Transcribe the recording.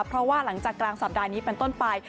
เพราะว่าหลังจากกลางสัปดาห์นี้เป็นต้นไป